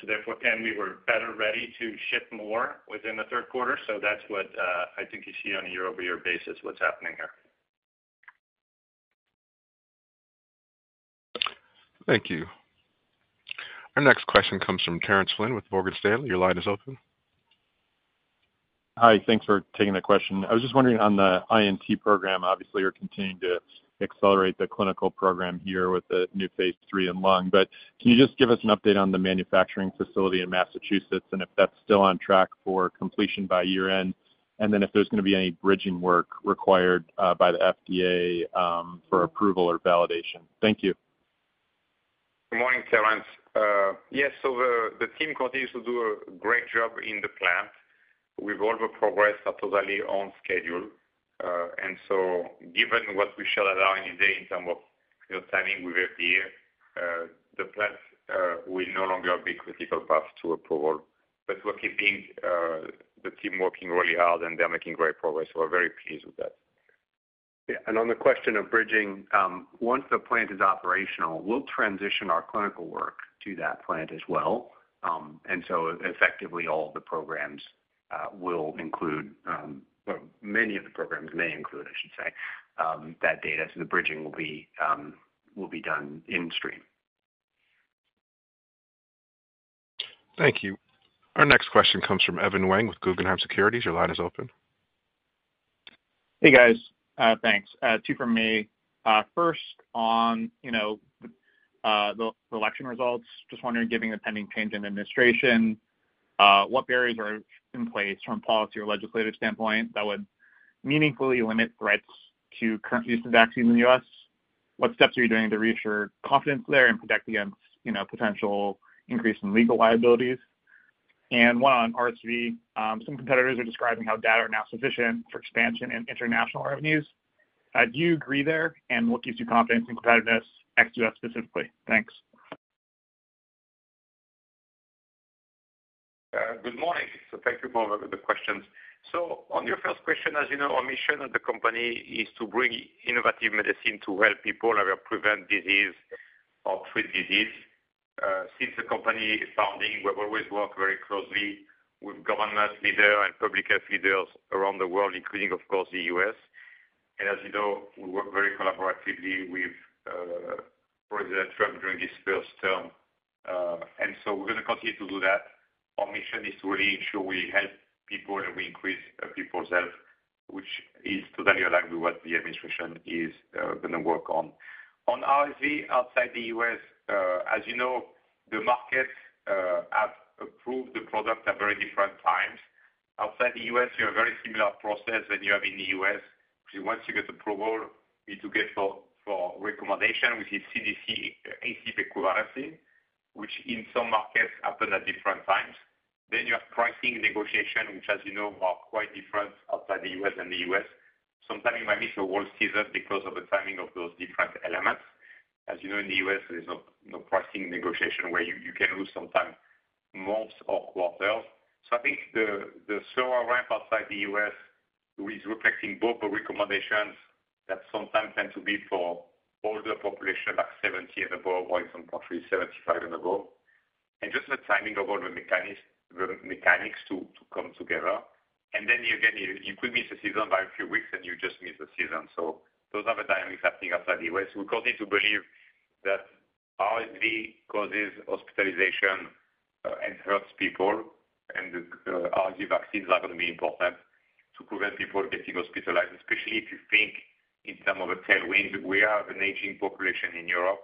So therefore, we were better ready to ship more within the third quarter. So that's what I think you see on a year-over-year basis, what's happening here. Thank you. Our next question comes from Terence Flynn with Morgan Stanley. Your line is open. Hi. Thanks for taking the question. I was just wondering on the INT program, obviously, you're continuing to accelerate the clinical program here with the new phase III in lung. But can you just give us an update on the manufacturing facility in Massachusetts and if that's still on track for completion by year-end? And then if there's going to be any bridging work required by the FDA for approval or validation? Thank you. Good morning, Terence. Yes. So the team continues to do a great job in the plant. We've all progressed totally on schedule. And so given what we shall allow in a day in terms of timing with FDA, the plant will no longer be critical path to approval. But we're keeping the team working really hard, and they're making great progress. We're very pleased with that. Yeah. And on the question of bridging, once the plant is operational, we'll transition our clinical work to that plant as well. And so effectively, all of the programs will include many of the programs may include, I should say, that data. So the bridging will be done in-stream. Thank you. Our next question comes from Evan Wang with Guggenheim Securities. Your line is open. Hey, guys. Thanks. Two from me. First, on the election results, just wondering, given the pending change in administration, what barriers are in place from a policy or legislative standpoint that would meaningfully limit threats to current use of vaccines in the U.S.? What steps are you doing to reassure confidence there and protect against potential increase in legal liabilities? And one on RSV, some competitors are describing how data are now sufficient for expansion and international revenues. Do you agree there? And what gives you confidence in competitiveness ex-U.S. specifically? Thanks. Good morning. So thank you for the questions. So on your first question, as you know, our mission at the company is to bring innovative medicine to help people prevent disease or treat disease. Since the company is founding, we've always worked very closely with government leaders and public health leaders around the world, including, of course, the U.S. And as you know, we work very collaboratively with President Trump during his first term. And so we're going to continue to do that. Our mission is to really ensure we help people and we increase people's health, which is totally aligned with what the administration is going to work on. On RSV outside the U.S., as you know, the markets have approved the product at very different times. Outside the U.S., you have a very similar process than you have in the U.S., which is once you get approval, you do get for recommendation, which is CDC ACIP equivalency, which in some markets happen at different times. Then you have pricing negotiation, which, as you know, are quite different outside the U.S. and the U.S. Sometimes you might miss a whole season because of the timing of those different elements. As you know, in the U.S., there's no pricing negotiation where you can lose sometimes months or quarters. So I think the slower ramp outside the U.S. is reflecting both the recommendations that sometimes tend to be for older population, like 70 and above, or in some countries, 75 and above, and just the timing of all the mechanics to come together. And then again, you could miss a season by a few weeks, and you just miss the season. So those are the dynamics, I think, outside the U.S. We continue to believe that RSV causes hospitalization and hurts people, and RSV vaccines are going to be important to prevent people getting hospitalized, especially if you think in terms of a tailwind. We have an aging population in Europe.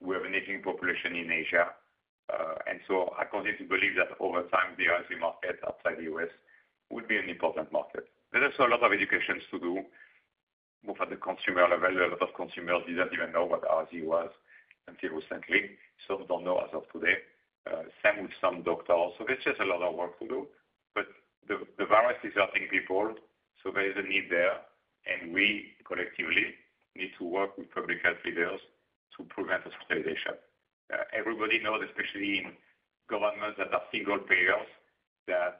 We have an aging population in Asia. And so I continue to believe that over time, the RSV market outside the U.S. would be an important market. There's also a lot of education to do both at the consumer level. A lot of consumers didn't even know what RSV was until recently. Some don't know as of today. Same with some doctors. So there's just a lot of work to do. But the virus is hurting people, so there is a need there. And we collectively need to work with public health leaders to prevent hospitalization. Everybody knows, especially in governments that are single payers, that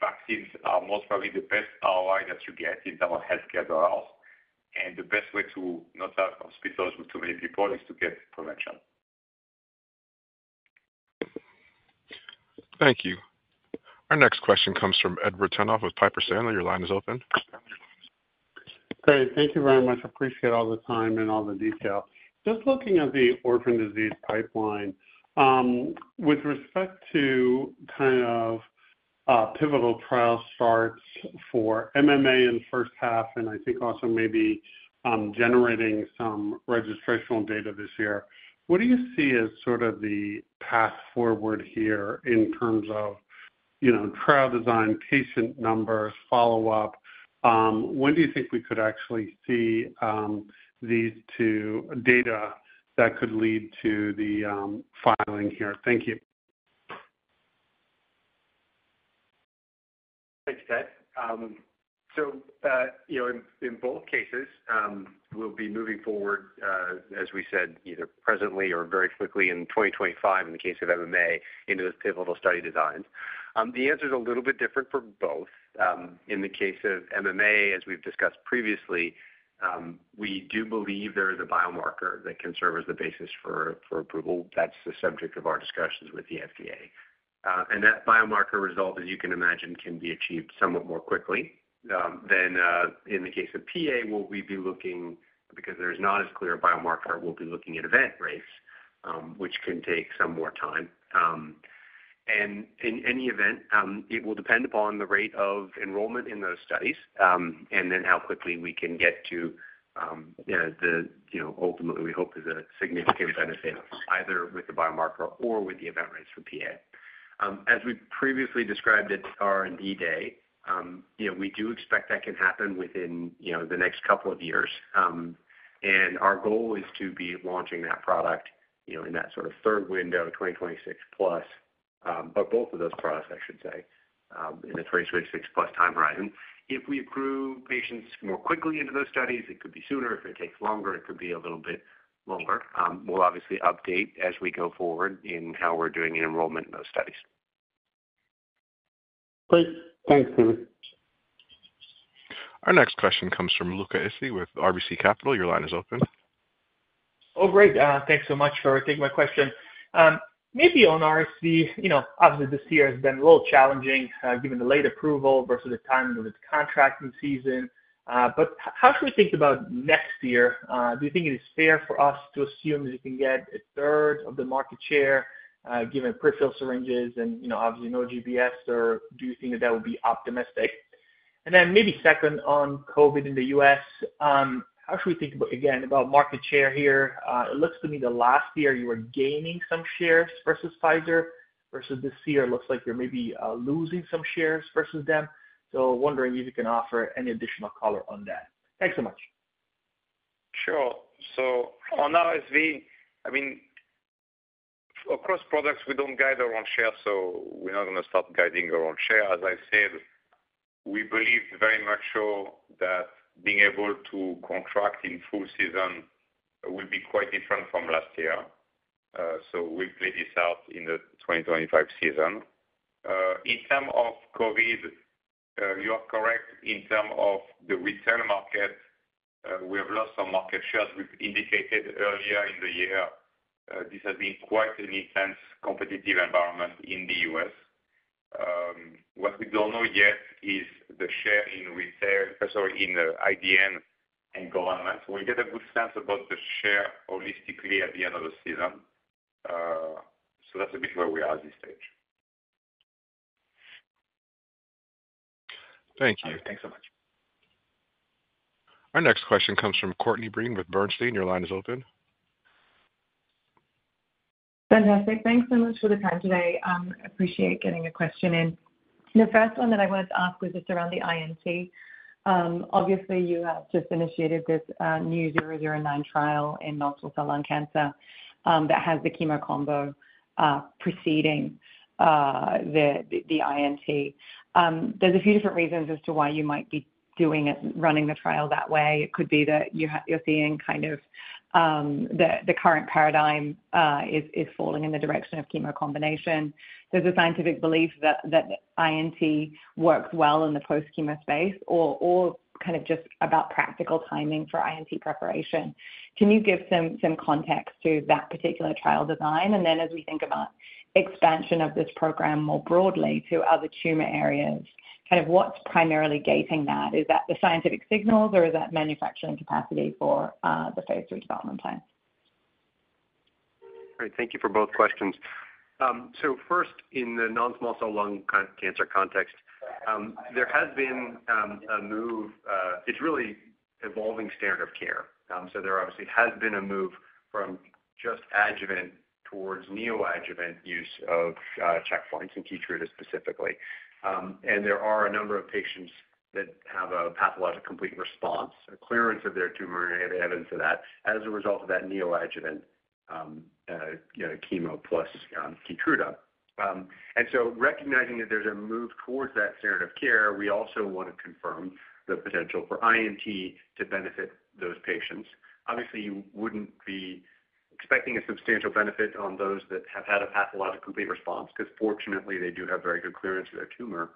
vaccines are most probably the best ROI that you get in terms of healthcare dollars. And the best way to not have hospitals with too many people is to get prevention. Thank you. Our next question comes from Edward Tenthoff with Piper Sandler. Your line is open. Hey, thank you very much. I appreciate all the time and all the detail. Just looking at the orphan disease pipeline, with respect to kind of pivotal trial starts for MMA in the first half, and I think also maybe generating some registrational data this year, what do you see as sort of the path forward here in terms of trial design, patient numbers, follow-up? When do you think we could actually see these two data that could lead to the filing here? Thank you. Thanks, Ted. So in both cases, we'll be moving forward, as we said, either presently or very quickly in 2025, in the case of MMA, into those pivotal study designs. The answer is a little bit different for both. In the case of MMA, as we've discussed previously, we do believe there is a biomarker that can serve as the basis for approval. That's the subject of our discussions with the FDA. And that biomarker result, as you can imagine, can be achieved somewhat more quickly than in the case of PA, where we'd be looking, because there is not as clear a biomarker, we'll be looking at event rates, which can take some more time. And in any event, it will depend upon the rate of enrollment in those studies and then how quickly we can get to the ultimately we hope is a significant benefit either with the biomarker or with the event rates for PA. As we previously described at R&D day, we do expect that can happen within the next couple of years. And our goal is to be launching that product in that sort of third window, 2026+, or both of those products, I should say, in the 2026 plus time horizon. If we accrue patients more quickly into those studies, it could be sooner. If it takes longer, it could be a little bit longer. We'll obviously update as we go forward in how we're doing enrollment in those studies. Great. Thanks, Ted. Our next question comes from Luca Issi with RBC Capital. Your line is open. Oh, great. Thanks so much for taking my question. Maybe on RSV, obviously, this year has been a little challenging given the late approval versus the timing of its contracting season. But how should we think about next year? Do you think it is fair for us to assume that you can get a third of the market share given pre-filled syringes and obviously no GBS, or do you think that that would be optimistic? And then maybe second on COVID in the U.S., how should we think again about market share here? It looks to me that last year you were gaining some shares versus Pfizer, versus this year it looks like you're maybe losing some shares versus them. So wondering if you can offer any additional color on that. Thanks so much. Sure. So on RSV, I mean, across products, we don't guide our own share, so we're not going to start guiding our own share. As I said, we believe very much so that being able to contract in full season will be quite different from last year. So we'll play this out in the 2025 season. In terms of COVID, you are correct. In terms of the retail market, we have lost some market shares. We've indicated earlier in the year this has been quite an intense competitive environment in the U.S. What we don't know yet is the share in retail, sorry, in IDN and government. We get a good sense about the share holistically at the end of the season. So that's a bit where we are at this stage. Thank you. Thanks so much. Our next question comes from Courtney Breen with Bernstein. Your line is open. Fantastic. Thanks so much for the time today. I appreciate getting a question in. The first one that I wanted to ask was just around the INT. Obviously, you have just initiated this new 009 trial in non-small cell lung cancer that has the chemo combo preceding the INT. There's a few different reasons as to why you might be doing it, running the trial that way. It could be that you're seeing kind of the current paradigm is falling in the direction of chemo combination. There's a scientific belief that INT works well in the post-chemo space or kind of just about practical timing for INT preparation. Can you give some context to that particular trial design? And then as we think about expansion of this program more broadly to other tumor areas, kind of what's primarily gating that? Is that the scientific signals, or is that manufacturing capacity for the phase III development plan? All right. Thank you for both questions. So first, in the non-small cell lung cancer context, there has been a move. It's really an evolving standard of care. So there obviously has been a move from just adjuvant towards neoadjuvant use of checkpoints and Keytruda specifically. And there are a number of patients that have a pathologic complete response, a clearance of their tumor and evidence of that as a result of that neoadjuvant chemo plus Keytruda. And so recognizing that there's a move towards that standard of care, we also want to confirm the potential for INT to benefit those patients. Obviously, you wouldn't be expecting a substantial benefit on those that have had a pathologic complete response because fortunately, they do have very good clearance of their tumor.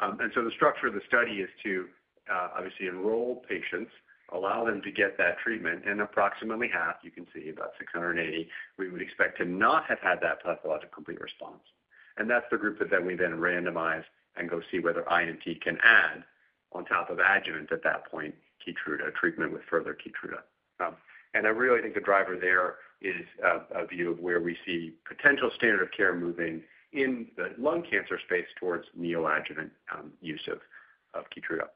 And so the structure of the study is to obviously enroll patients, allow them to get that treatment, and approximately half, you can see about 680, we would expect to not have had that pathologic complete response. And that's the group that we then randomize and go see whether INT can add on top of adjuvant at that point, Keytruda treatment with further Keytruda. And I really think the driver there is a view of where we see potential standard of care moving in the lung cancer space towards neoadjuvant use of Keytruda.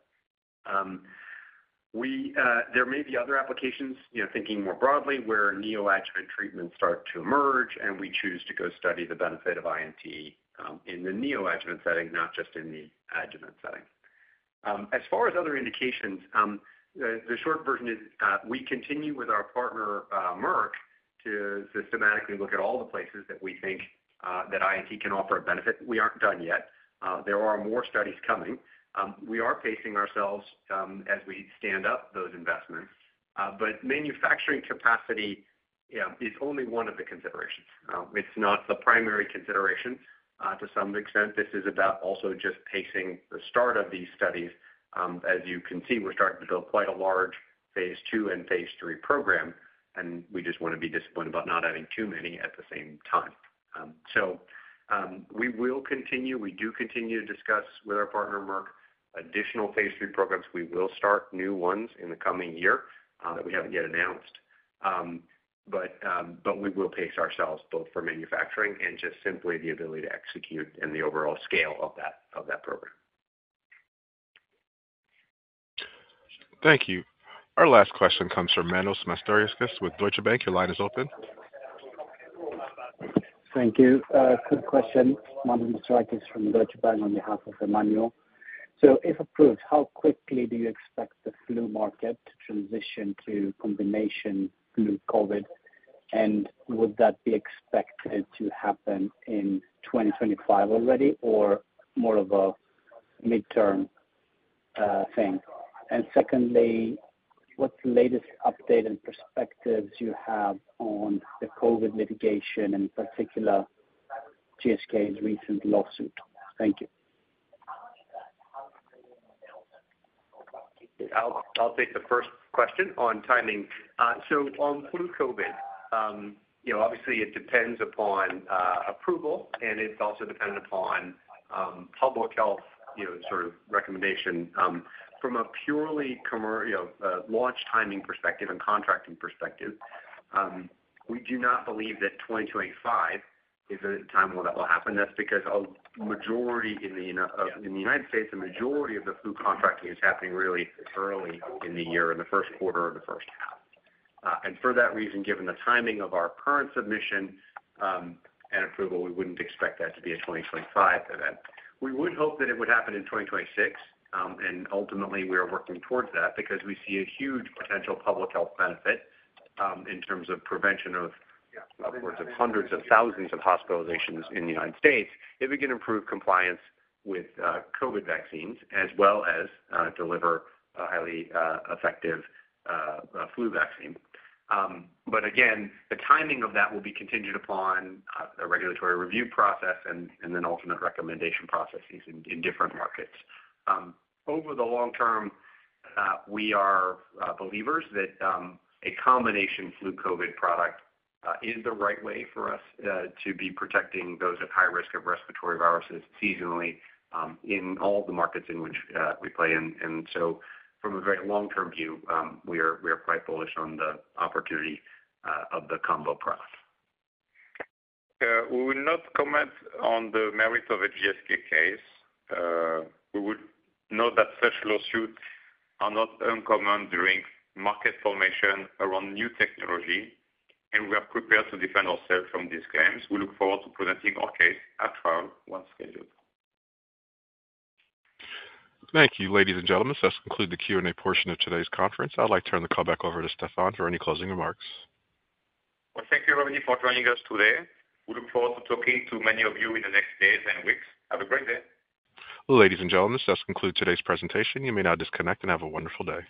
There may be other applications thinking more broadly where neoadjuvant treatments start to emerge, and we choose to go study the benefit of INT in the neoadjuvant setting, not just in the adjuvant setting. As far as other indications, the short version is we continue with our partner, Merck, to systematically look at all the places that we think that INT can offer a benefit. We aren't done yet. There are more studies coming. We are pacing ourselves as we stand up those investments. But manufacturing capacity is only one of the considerations. It's not the primary consideration. To some extent, this is about also just pacing the start of these studies. As you can see, we're starting to build quite a large phase II and phase III program, and we just want to be disciplined about not adding too many at the same time. So we will continue. We do continue to discuss with our partner, Merck, additional phase III programs. We will start new ones in the coming year that we haven't yet announced. But we will pace ourselves both for manufacturing and just simply the ability to execute and the overall scale of that program. Thank you. Our last question comes from Emmanuel Papadakis with Deutsche Bank. Your line is open. Thank you. Quick question. An associate from Deutsche Bank on behalf of Emmanuel Papadakis. So if approved, how quickly do you expect the flu market to transition to combination flu/COVID? And would that be expected to happen in 2025 already or more of a midterm thing? And secondly, what's the latest update and perspectives you have on the COVID litigation and in particular GSK's recent lawsuit? Thank you. I'll take the first question on timing. So on flu/COVID, obviously, it depends upon approval, and it's also dependent upon public health sort of recommendation. From a purely launch timing perspective and contracting perspective, we do not believe that 2025 is a time when that will happen. That's because in the United States, the majority of the flu contracting is happening really early in the year, in the first quarter or the first half. And for that reason, given the timing of our current submission and approval, we wouldn't expect that to be a 2025 event. We would hope that it would happen in 2026, and ultimately, we are working towards that because we see a huge potential public health benefit in terms of prevention of upwards of hundreds of thousands of hospitalizations in the United States if we can improve compliance with COVID vaccines as well as deliver a highly effective flu vaccine. But again, the timing of that will be contingent upon a regulatory review process and then ultimate recommendation processes in different markets. Over the long term, we are believers that a combination flu/COVID product is the right way for us to be protecting those at high risk of respiratory viruses seasonally in all the markets in which we play. And so from a very long-term view, we are quite bullish on the opportunity of the combo product. We will not comment on the merits of a GSK case. We would note that such lawsuits are not uncommon during market formation around new technology, and we are prepared to defend ourselves from these claims. We look forward to presenting our case at trial once scheduled. Thank you, ladies and gentlemen. So that's concluded the Q&A portion of today's conference. I'd like to turn the call back over to Stéphane for any closing remarks. Thank you, everybody, for joining us today. We look forward to talking to many of you in the next days and weeks. Have a great day. Ladies and gentlemen, so that's concluded today's presentation. You may now disconnect and have a wonderful day.